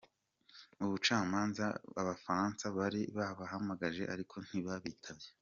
Ubucamanza b’abafaransa bari babahamagaje ariko ntibitabye.